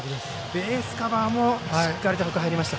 ベースカバーもしっかりと入りました。